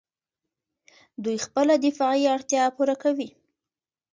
دوی خپله دفاعي اړتیا پوره کوي.